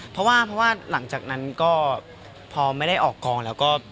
อย่าถามดีกว่า